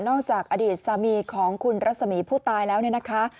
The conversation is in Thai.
จากอดีตสามีของคุณรัศมีผู้ตายแล้วเนี่ยนะคะ